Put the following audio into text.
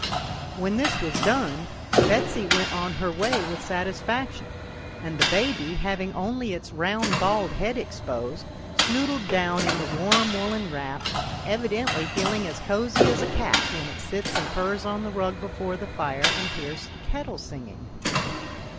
When this was done, Betsy went on her way with satisfaction, and the baby, having only its round bald head exposed, snoodled down in the warm woollen wrap, evidently feeling as cosy as a cat when it sits and purrs on the rug before the fire and hears the kettle singing.